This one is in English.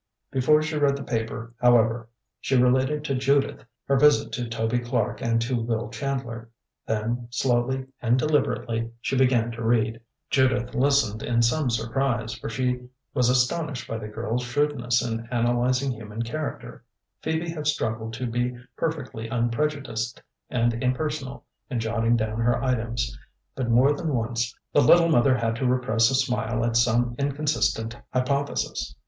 Before she read the paper, however, she related to Judith her visit to Toby Clark and to Will Chandler. Then, slowly and deliberately, she began to read. Judith listened in some surprise, for she was astonished by the girl's shrewdness in analyzing human character. Phoebe had struggled to be perfectly unprejudiced and impersonal in jotting down her items, but more than once the Little Mother had to repress a smile at some inconsistent hypothesis.